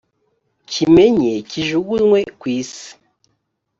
kimenye kijugunywe ku isi,